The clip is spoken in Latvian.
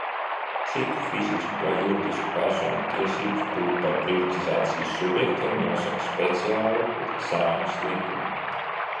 Citu fizisku vai juridisku personu tiesības būt par privatizācijas subjektiem nosaka speciāli Saeimas likumi.